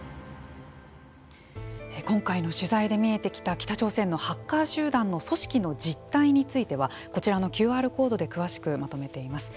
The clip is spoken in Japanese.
今回の取材で見えてきた北朝鮮のハッカー集団の組織の実態についてはこちらのＱＲコードで詳しくまとめています。